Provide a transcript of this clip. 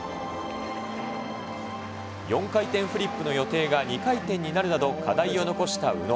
４回転フリップの予定が２回転になるなど、課題を残した宇野。